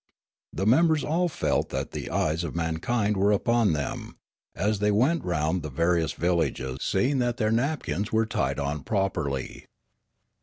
The members all felt that the eyes of mankind were upon them, as they went round the various villages seeing that their nap kins were tied on properly.